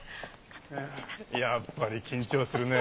やっぱり緊張するね。